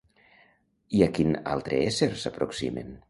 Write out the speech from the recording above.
I a quin altre ésser s'aproximen?